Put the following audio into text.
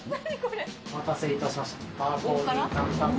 お待たせいたしました。